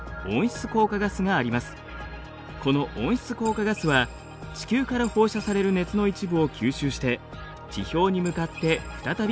この温室効果ガスは地球から放射される熱の一部を吸収して地表に向かって再び放射します。